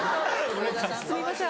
すみません